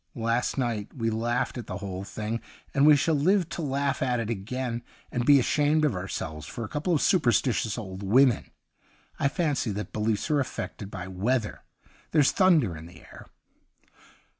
Last night we laujjhed at the whole thing, and we shall live to laugh at it again, and be ashamed of ourselves for a couple of superstitious old women. I fancy that beliefs are affected by weather — there's thunder in the air.'